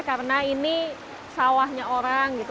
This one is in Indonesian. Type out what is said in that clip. karena ini sawahnya orang gitu